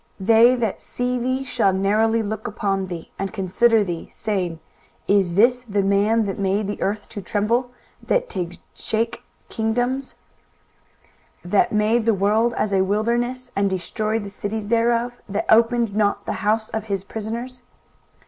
23:014:016 They that see thee shall narrowly look upon thee, and consider thee, saying, Is this the man that made the earth to tremble, that did shake kingdoms; 23:014:017 That made the world as a wilderness, and destroyed the cities thereof; that opened not the house of his prisoners?